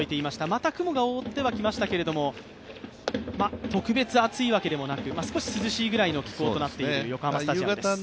また雲が覆ってはきましたけれども、特別暑いわけではなく、少し涼しいくらいの気候となっている横浜スタジアムです。